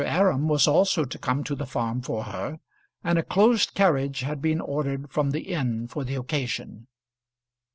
Aram was also to come to the Farm for her, and a closed carriage had been ordered from the inn for the occasion.